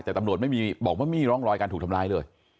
แต่ตำรวจไม่มีบอกว่าไม่มีร่องรอยการถูกทำร้ายเลย